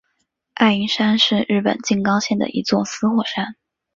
爱鹰山是日本静冈县的一座死火山。